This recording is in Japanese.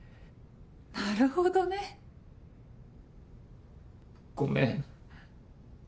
なるほどね。ごめん。